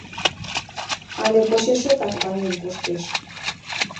Але почешетак ваҥен коштеш.